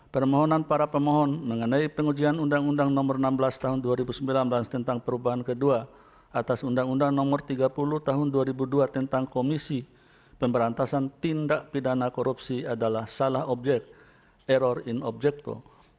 permohonan para pemohon mengenai pengujian undang undang nomor enam belas tahun dua ribu sembilan belas tentang perubahan kedua atas undang undang nomor tiga puluh tahun dua ribu dua tentang komisi pemberantasan tindak pidana korupsi adalah salah objek error in objekto